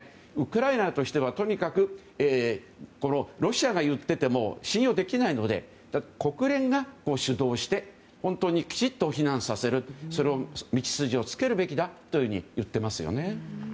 一斉攻撃をしようという狙いもあるんだろうということですけどウクライナとしてはとにかくロシアが言っていても信用できないので国連が主導して本当にきちっと避難させる道筋をつけるべきだと言っていますよね。